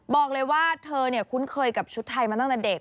บอกเลยว่าเธอคุ้นเคยกับชุดไทยมาตั้งแต่เด็ก